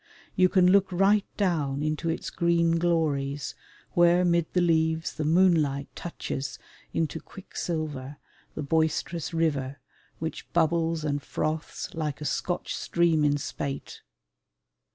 You can look right down into its green glories, where mid the leaves the moonlight touches into quicksilver the boisterous river which bubbles and froths like a Scotch stream in spate.